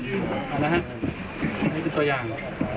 นี่คือตัวอย่าง